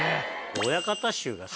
親方衆がさ。